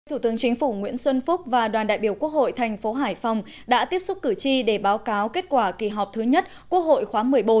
thủ tướng chính phủ nguyễn xuân phúc và đoàn đại biểu quốc hội thành phố hải phòng đã tiếp xúc cử tri để báo cáo kết quả kỳ họp thứ nhất quốc hội khóa một mươi bốn